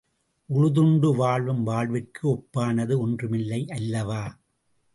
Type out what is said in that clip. உழுதுண்டு வாழும் வாழ்விற்கு ஒப்பானது ஒன்றுமில்லை அல்லவா?